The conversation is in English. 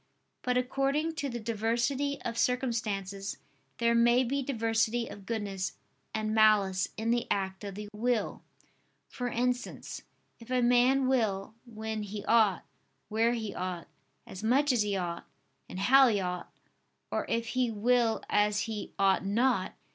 But according to the diversity of circumstances there may be diversity of goodness and malice in the act of the will: for instance, if a man will, when he ought, where he ought, as much as he ought, and how he ought, or if he will as he ought not.